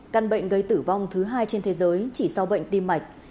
căn bệnh gây tử vong thứ hai trên thế giới chỉ so với bệnh tim mạch